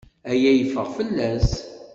Aya yeffeɣ fell-as.